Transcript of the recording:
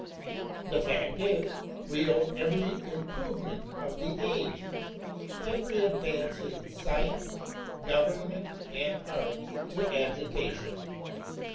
The fact is, we owe every improvement of the age, every advance in science, government, and art, to agitation.